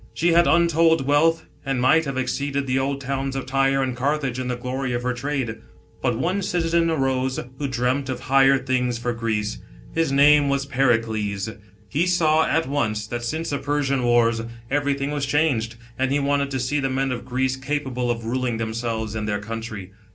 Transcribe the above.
She had untold wealth, arid might have exceeded the old towns of Tyre and Carthage in the glory of her trade. But one citizen arose, who dreamt of higher things for Greece. His name was Pericles. He saw at once that, since the Persian wars, every thing was changed, and he wanted to see the B.C. 450.] THE GREATNESS OF A r HENS. 107 men of Greece capable of ruling themselves and their country.